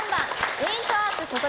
ウイントアーツ所属。